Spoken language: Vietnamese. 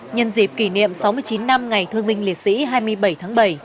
nhân dịp kỷ niệm sáu mươi chín năm ngày thương binh liệt sĩ hai mươi bảy tháng bảy